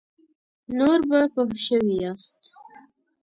نور به پوه شوي یاست.